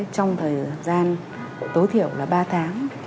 trong thời gian tối thiểu là ba tháng